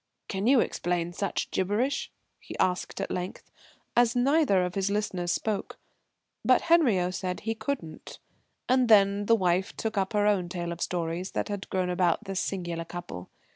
"Can you explain such gibberish?" he asked at length, as neither of his listeners spoke. But Henriot said he couldn't. And the wife then took up her own tale of stories that had grown about this singular couple.